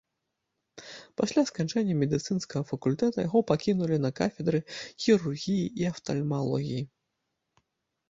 Пасля сканчэння медыцынскага факультэта яго пакінулі на кафедры хірургіі і афтальмалогіі.